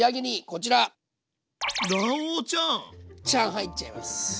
ちゃん入っちゃいます。